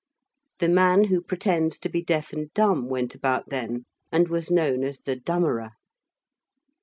The man who pretends to be deaf and dumb went about then, and was known as the dummerer.